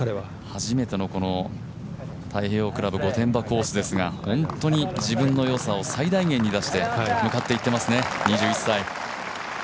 初めての太平洋クラブ御殿場コースですが、本当に自分の良さを最大限に出して向かっていっていますね、２１歳。